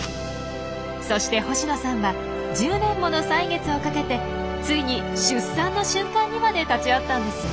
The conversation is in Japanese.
そして星野さんは１０年もの歳月をかけてついに出産の瞬間にまで立ち会ったんですよ。